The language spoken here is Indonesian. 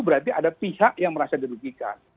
berarti ada pihak yang merasa dirugikan